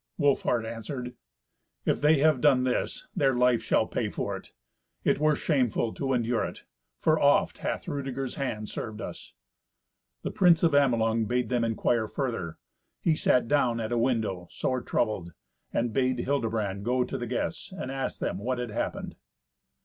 Wolfhart answered, "If they have done this, their life shall pay for it. It were shameful to endure it. For oft hath Rudeger's hand served us." The prince of Amelung bade them inquire further. He sat down at a window sore troubled, and bade Hildebrand go to the guests, and ask them what had happened.